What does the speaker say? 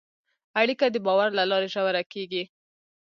اړیکه د باور له لارې ژوره کېږي.